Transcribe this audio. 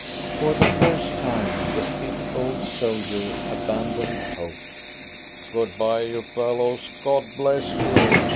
For the first time the stiff old soldier abandoned hope. "Good bye, you fellows! God bless you!"